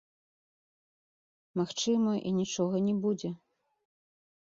Магчыма, і нічога не будзе.